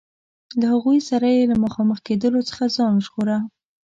له هغوی سره یې له مخامخ کېدلو څخه ځان ژغوره.